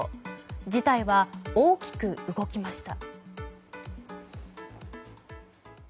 事態は大きく動きました。